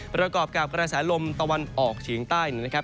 ประกอบกับกระแสลมตะวันออกเฉียงใต้นะครับ